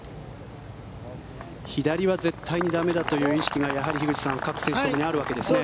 左は絶対に駄目だという意識がやはり樋口さん、各選手ともにあるわけですね。